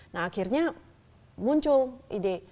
nah akhirnya muncul ide